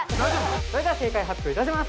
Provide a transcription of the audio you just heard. それでは正解はっぴょういたします。